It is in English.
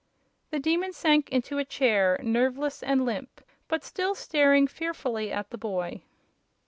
The Demon sank into a chair, nerveless and limp, but still staring fearfully at the boy.